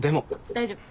大丈夫。